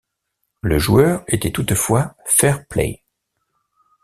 Le joueur était toutefois fair-play.